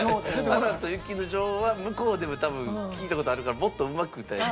『アナと雪の女王』は向こうでも多分聴いた事あるからもっとうまく歌える。